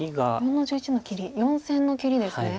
４の十一の切り４線の切りですね。